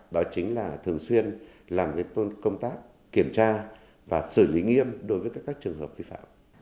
đó chính là thường xuyên làm công tác kiểm tra và xử lý nghiêm đối với các trường hợp vi phạm